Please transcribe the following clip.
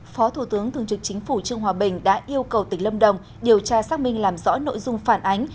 phó thủ tướng thường trực chính phủ trương hòa bình đã yêu cầu tỉnh lâm đồng điều tra xác minh làm rõ nội dung phản ánh